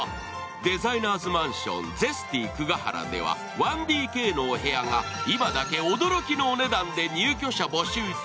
デザイナーズマンション、ＺＥＳＴＹ久が原では１ＤＫのお部屋が、今だけ驚きのお値段で入居者募集中。